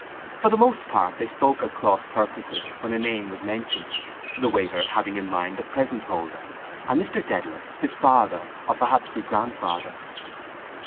For the most part they spoke at cross purposes when a name was mentioned, the waiter having in mind the present holder and Mr Dedalus his father or perhaps his grandfather.